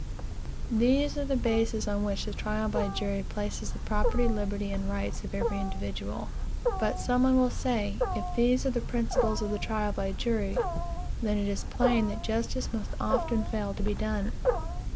These are the bases on which the trial by jury places the property, liberty, and rights of every individual. But some one will say, if these are the principles of the trial by jury, then it is plain that justice must often fail to be done.